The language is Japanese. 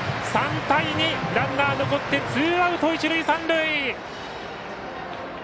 ３対２、ランナー残ってツーアウト、一塁三塁！